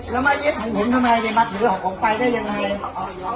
แล้วมาเย็บของผมทำไมจะมาถือของผมไปได้ยังไง